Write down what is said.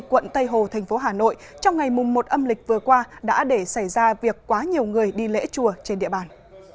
quận tây hồ thành phố hà nội trong ngày một âm lịch vừa qua đã để xảy ra việc quá nhiều người đi lễ chùa trên địa bàn